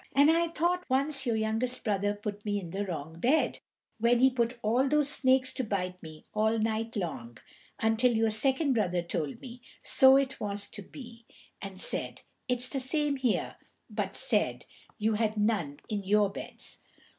And I thought once that your youngest brother put me in the wrong bed, when he put all those snakes to bite me all night long, until your second brother told me 'So it was to be,' and said, 'It is the same here,' but said you had none in your beds."